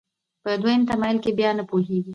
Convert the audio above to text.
په دویم تمایل کې بیا نه پوهېږي.